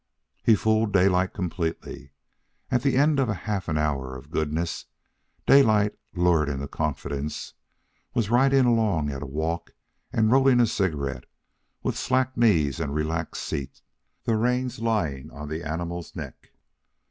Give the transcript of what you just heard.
He fooled Daylight completely. At the end of half an hour of goodness, Daylight, lured into confidence, was riding along at a walk and rolling a cigarette, with slack knees and relaxed seat, the reins lying on the animal's neck.